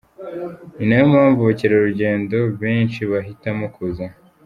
Ni nayo mpamvu abakerarugendo banshi bahitamo kuza aha.